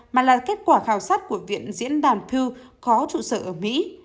mà là kết quả khảo sát của viện diễn đàn thư có trụ sở ở mỹ